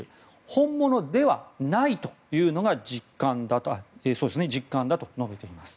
本物ではないというのが実感だと述べています。